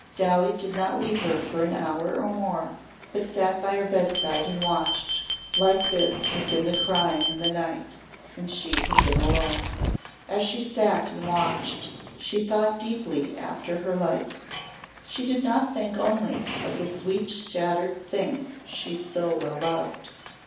Dowie did not leave her for an hour or more but sat by her bedside and watched. Like this had been the crying in the night. And she had been alone. As she sat and watched she thought deeply after her lights. She did not think only of the sweet shattered thing she so well loved.